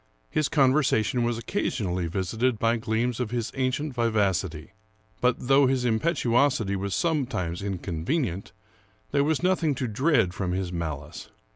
His conversation was occasionally visited by gleams of his ancient vivacity ; but, though his impetuosity was sometimes inconvenient, there was nothing to dread from his malice.